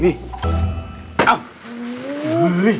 เอ้า